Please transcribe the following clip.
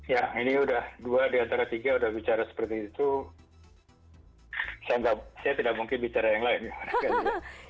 ya ini sudah dua di antara tiga sudah bicara seperti itu saya tidak mungkin bicara yang lain